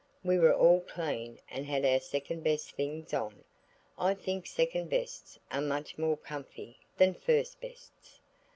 We were all clean and had our second best things on. I think second bests are much more comfy than first bests.